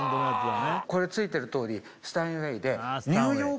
これついているとおりスタインウェイで。